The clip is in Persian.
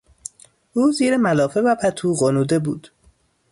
او زیر ملافه و پتو غنوده بود.